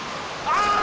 ああ！